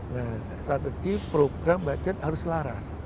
nah strategi program budget harus selaras